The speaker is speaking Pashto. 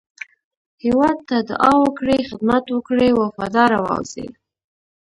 هېواد ته دعا وکړئ، خدمت وکړئ، وفاداره واوسی